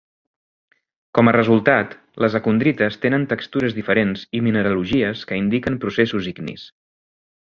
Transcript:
Com a resultat, les acondrites tenen textures diferents i mineralogies que indiquen processos ignis.